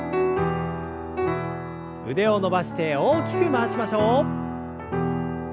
腕を伸ばして大きく回しましょう。